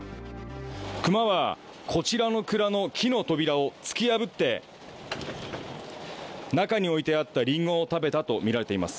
クマはこちらの倉の木の扉を突き破って中に置いてあったリンゴを食べたとみられています。